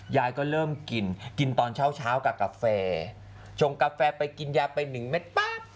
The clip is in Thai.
ยายก็เริ่มกินกินตอนเช้าเช้ากับกาแฟชงกาแฟไปกินยาไปหนึ่งเม็ดปั๊บ